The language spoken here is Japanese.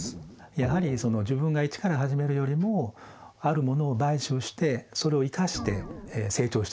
やはり自分が一から始めるよりもあるものを買収してそれを生かして成長していくと。